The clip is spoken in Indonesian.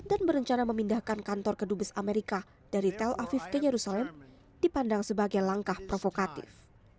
dan berencana memindahkan kantor kedubes amerika dari tel aviv ke yerusalem dipandang sebagai langkah provokatif